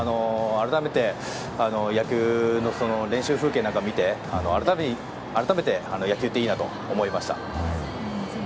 改めて野球の練習風景なんかを見て野球っていいなと思いました。